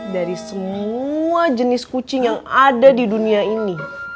dari semua jenis kucing yang ada di dunia ini